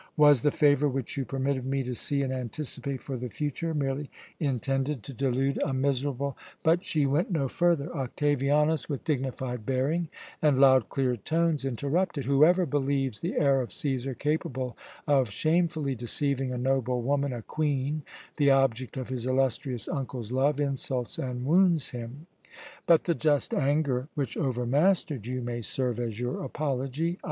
Was the favour which you permitted me to see and anticipate for the future merely intended to delude a miserable " But she went no further; Octavianus, with dignified bearing and loud, clear tones, interrupted "Whoever believes the heir of Cæsar capable of shamefully deceiving a noble woman, a queen, the object of his illustrious uncle's love, insults and wounds him; but the just anger which overmastered you may serve as your apology.